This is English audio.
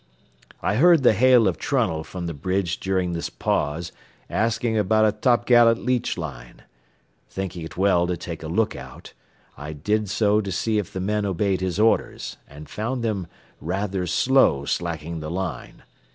I heard the hail of Trunnell from the bridge during this pause, asking about a t'gallant leach line. Thinking it well to take a look out, I did so to see if the men obeyed his orders, and found them rather slow slacking the line.